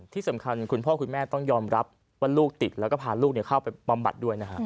คุณพ่อคุณแม่ต้องยอมรับว่าลูกติดแล้วก็พาลูกเข้าไปบำบัดด้วยนะฮะ